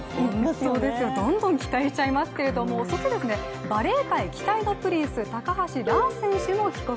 本当ですね、どんどん期待しちゃいますけれどもそしてバレー界期待のプリンス高橋藍選手も帰国。